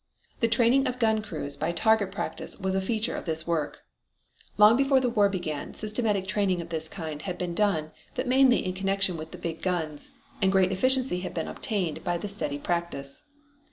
The training of gun crews by target practice was a feature of this work. Long before the war began systematic training of this kind had been done, but mainly in connection with the big guns, and great efficiency had been obtained by the steady practice.